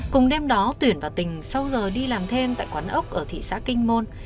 cùng đêm đó tuyển và tình sau giờ đi làm thêm tại quán ốc ở thị xã kinh môn